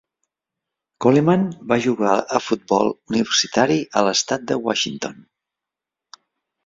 Coleman va jugar a futbol universitari a l'estat de Washington.